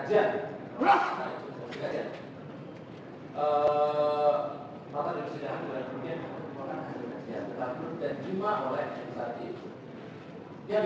itu adalah penyelesaian